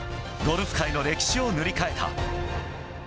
ゴルフ界の歴史を塗り替えた。